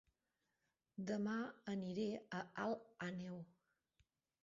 Dema aniré a Alt Àneu